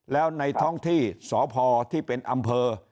แล้วในท้องที่สพที่เป็นอำเภอ